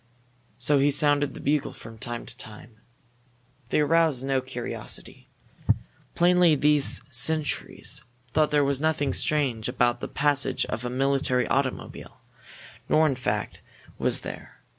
So he sounded the bugle from time to time. They aroused no curiosity. Plainly these sentries thought there was nothing strange about the passage of a military automobile, nor, in fact, was there.